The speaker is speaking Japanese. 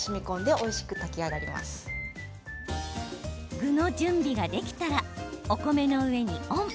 具の準備ができたらお米の上にオン。